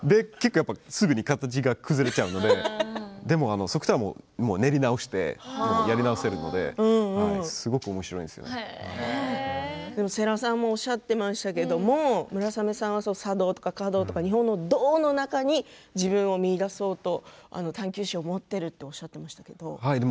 すぐに形が崩れちゃうのでそうしたら練り直してやり直せるので世良さんもおっしゃってましたけれども村雨さんは茶道とか花道とか日本の道の中に自分を見いだそうと探究心を持っているとおっしゃってましたけれども。